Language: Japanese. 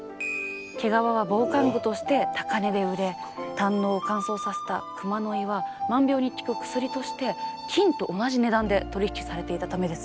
毛皮は防寒具として高値で売れ胆のうを乾燥させた熊の胆は万病に効く薬として金と同じ値段で取り引きされていたためです。